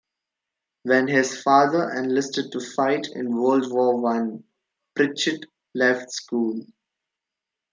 When his father enlisted to fight in World War One, Pritchett left school.